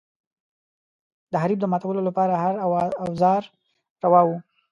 د حریف د ماتولو لپاره هر اوزار روا و.